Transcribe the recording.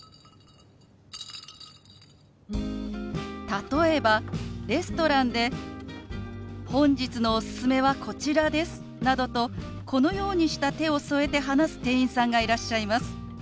例えばレストランで「本日のおすすめはこちらです」などとこのようにした手を添えて話す店員さんがいらっしゃいます。